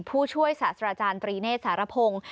ผู้ช่วยศาสตราจารย์ตรีเนธสารพงศ์